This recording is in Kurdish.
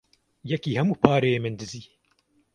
Yekî hemû pereyê min dizî.